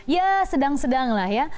ya sedang sedang lah ya